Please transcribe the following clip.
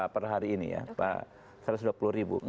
per hari ini ya satu ratus dua puluh ribu